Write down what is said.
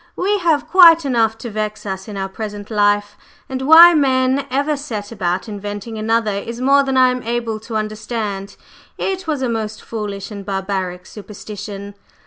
We have quite enough to vex us in our present life, and why men ever set about inventing another is more than I am able to understand. It was a most foolish and barbaric superstition."